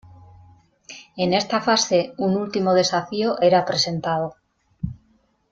En esta fase, un último desafío era presentado.